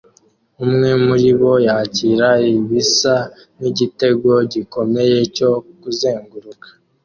umwe muribo yakira ibisa nkigitego gikomeye cyo kuzenguruka